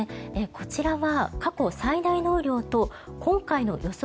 こちらは過去最大の雨量と今回の予想